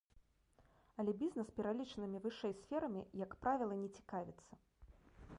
Але бізнес пералічанымі вышэй сферамі, як правіла, не цікавіцца.